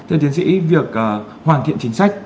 thưa tiến sĩ việc hoàn thiện chính sách